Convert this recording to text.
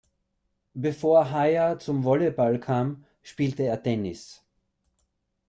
Bevor Heyer zum Volleyball kam spielte er Tennis.